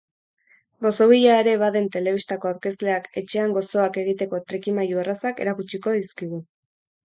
Gozogilea ere baden telebistako aurkezleak etxean gozoak egiteko trikimailu errazak erakutsiko dizkigu.